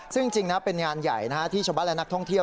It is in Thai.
ซึ่งจริงนะเป็นงานใหญ่ที่ชาวบ้านและนักท่องเที่ยว